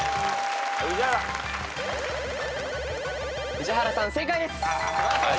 宇治原さん正解です。